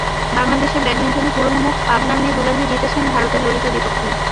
বাংলাদেশের ব্যাডমিন্টনে পুরোনো মুখ পাবনার মেয়ে দুলালী জিতেছেন ভারতের ললিতার বিপক্ষে।